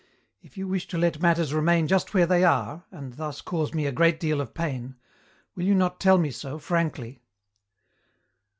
If you wish to let matters remain just where they are and thus cause me a great deal of pain will you not tell me so, frankly?'